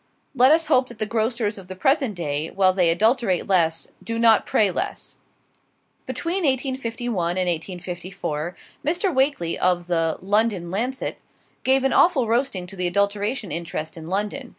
Let us hope that the grocers of the present day, while they adulterate less, do not pray less. Between 1851 and 1854, Mr. Wakley of the "London Lancet" gave an awful roasting to the adulteration interest in London.